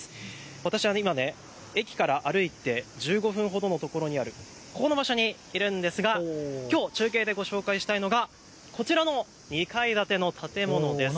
私は今、駅から歩いて１５分ほどのところにあるこの場所にいるんですがきょう中継でご紹介したいのがこちらの２階建ての建物です。